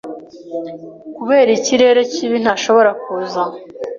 Kubera ikirere kibi, ntashobora kuza.